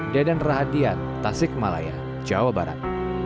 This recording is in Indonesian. deden rahadian tasik malaya jawa barat